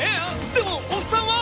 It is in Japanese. でもおっさんは？